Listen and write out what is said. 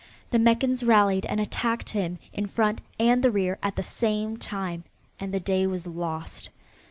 The Meccans rallied and attacked him in front and the rear at the same time, and the day was lost.